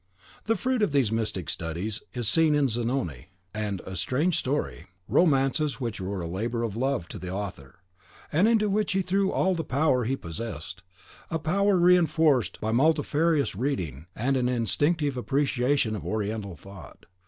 The fruit of these mystic studies is seen in "Zanoni" and "A strange Story," romances which were a labour of love to the author, and into which he threw all the power he possessed, power re enforced by multifarious reading and an instinctive appreciation of Oriental thought.